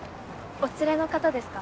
お連れの方ですか？